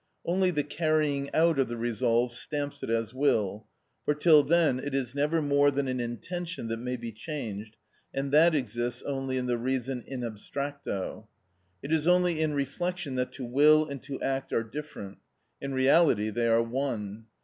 Only the carrying out of the resolve stamps it as will, for till then it is never more than an intention that may be changed, and that exists only in the reason in abstracto. It is only in reflection that to will and to act are different; in reality they are one.